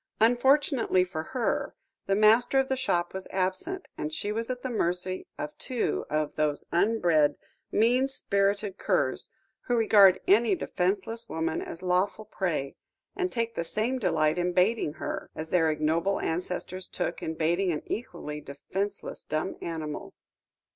Unfortunately for her, the master of the shop was absent, and she was at the mercy of two of those underbred, mean spirited curs, who regard any defenceless woman as lawful prey, and take the same delight in baiting her, as their ignoble ancestors took in baiting an equally defenceless dumb animal.